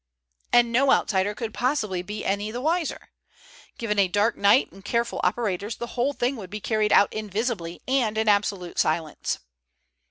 And no outsider could possibly be any the wiser! Given a dark night and careful operators, the whole thing would be carried out invisibly and in absolute silence.